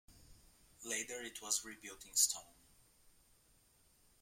Later it was rebuilt in stone.